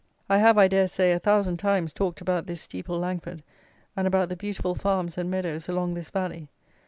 I have, I dare say, a thousand times talked about this Steeple Langford and about the beautiful farms and meadows along this valley.